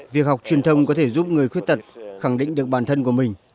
việc học truyền thông có thể giúp người khuyết tật khẳng định được bản thân của mình